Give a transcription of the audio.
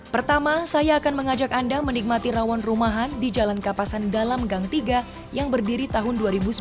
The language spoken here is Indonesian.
pertama saya akan mengajak anda menikmati rawon rumahan di jalan kapasan dalam gang tiga yang berdiri tahun dua ribu sembilan belas